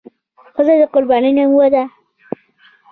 ښځه د قربانۍ نمونه ده.